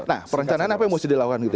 nah perencanaan apa yang harus dilakukan gitu